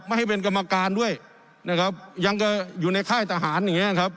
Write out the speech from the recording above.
ไม่ให้เป็นกรรมการด้วยนะครับยังก็อยู่ในค่ายทหารอย่างเงี้ยครับ